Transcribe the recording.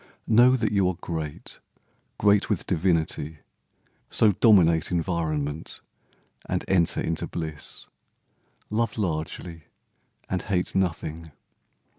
Know that you are great, Great with divinity. So dominate Environment, and enter into bliss. Love largely and hate nothing.